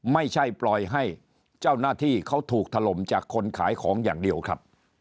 ไม่ใช่ปล่อยให้เจ้าหน้าที่เขาถูกถล่มจากคนขายของอย่างเดียวครับ